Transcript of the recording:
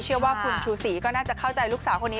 เชื่อว่าคุณชูศรีก็น่าจะเข้าใจลูกสาวคนนี้